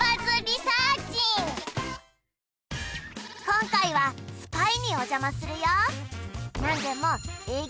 今回はＳｋｙにおじゃまするよ